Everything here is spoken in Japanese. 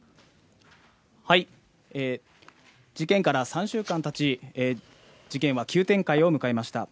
事件から３週間たち、事件は急展開を迎えました。